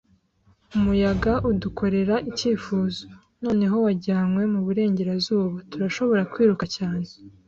Umuyaga, udukorera icyifuzo, noneho wajyanywe muburengerazuba. Turashobora kwiruka cyane